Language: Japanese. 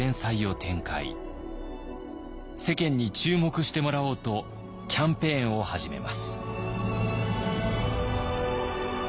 世間に注目してもらおうとキャンペーンを始めます。